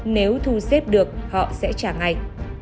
nếu thu xếp được họ sẽ trả ngay